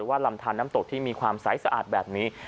ลำทานน้ำตกที่มีความใสสะอาดแบบนี้